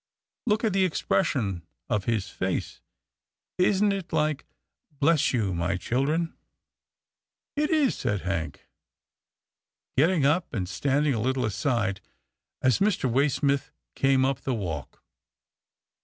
Look at the expression of his face. Isn't it like, ' Bless you, my children '?"" It is," said Hank, getting up, and standing a little aside, as Mr. Waysmith came up the walk.